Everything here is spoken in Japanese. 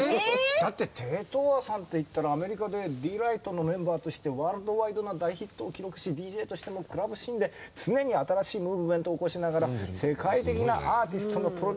だってテイ・トウワさんっていったらアメリカでディー・ライトのメンバーとしてワールドワイドな大ヒットを記録しＤＪとしてもクラブシーンで常に新しいムーブメントを起こしながら世界的なアーティストのプロデュースやリミックスを手がけ